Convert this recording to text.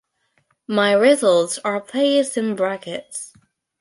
My results are placed in brackets.